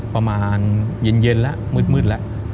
ประมาณเย็นแล้วมืดแล้ว